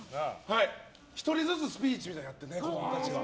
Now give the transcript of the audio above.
１人ずつスピーチみたいなのやって、子供たちが。